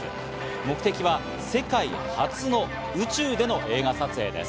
目的は世界初の宇宙での映画撮影です。